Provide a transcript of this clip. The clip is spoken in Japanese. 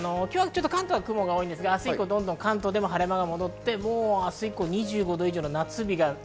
関東は雲が多いですが明日以降、関東でも晴れ間が戻って、明日以降は２５度以上の夏日。